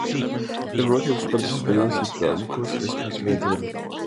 El plumaje de sus partes superiores y flancos es principalmente verde.